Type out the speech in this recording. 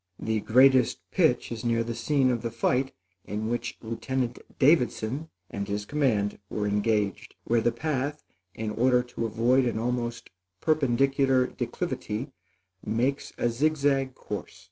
The greatest pitch is near the scene of the fight in which Lieutenant Davidson and his command were engaged, where the path, in order to avoid an almost perpendicular declivity, makes a zig zag course.